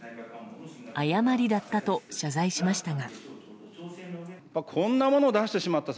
誤りだったと謝罪しましたが。